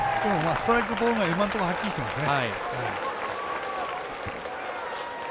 ストライク、ボールが今のところはっきりしていますね。